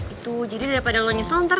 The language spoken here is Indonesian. itu jadi daripada lo nyesel ntar gak test ya